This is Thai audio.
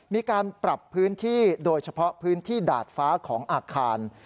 มีการปรับพื้นที่โดยเฉพาะพื้นที่ดาดฟ้าของอาคาร